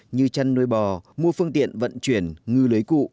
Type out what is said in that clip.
như chăn nuôi bò mua phương tiện vận chuyển ngư lưới cụ